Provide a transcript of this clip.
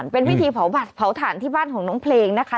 เป็นพิธีเผาบัตรเผาถ่านที่บ้านของน้องเพลงนะคะ